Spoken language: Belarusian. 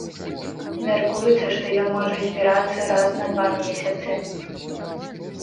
Мяркуецца, што ён можа збірацца раз на два месяцы.